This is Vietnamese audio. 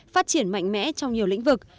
phát triển mạnh mẽ trong nhiều lĩnh vực